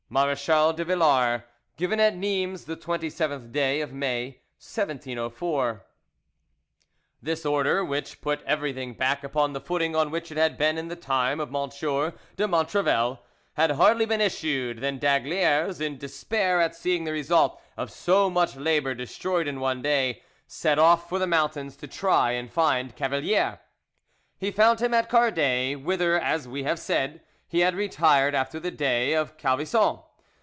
"MARECHAL DE VILLARS "Given at Nimes the 27th day of May 1704" This order, which put everything back upon the footing on which it had been in the time of M. de Montrevel, had hardly been issued than d'Aygaliers, in despair at seeing the result of so much labour destroyed in one day, set off for the mountains to try and find Cavalier. He found him at Cardet, whither, as we have said, he had retired after the day of Calvisson.